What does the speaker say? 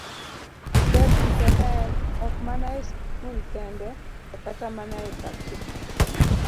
Ber rito ler, ok mana e skul kende, to kata mana e pacho.